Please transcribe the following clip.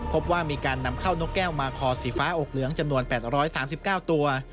พบว่ามีการนำเข้านกแก้วมาคอสีฟ้าอกเหลืองจำนวน๘๓๙ตัว